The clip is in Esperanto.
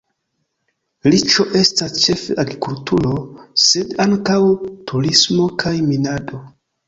Riĉo estas ĉefe agrikulturo, sed ankaŭ turismo kaj minado.